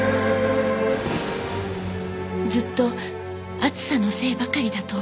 ずっと暑さのせいばかりだと思っていた。